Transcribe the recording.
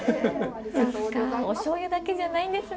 そっかおしょうゆだけじゃないんですね